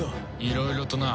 いろいろとな。